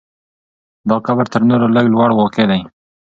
دا قبر تر نورو لږ لوړ واقع دی.